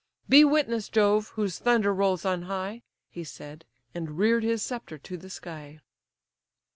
Be witness, Jove, whose thunder rolls on high!" He said, and rear'd his sceptre to the sky.